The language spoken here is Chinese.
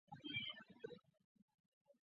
帕莱拉克。